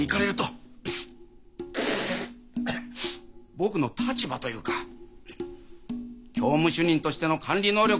僕の立場というか教務主任としての管理能力を問われるわけよ。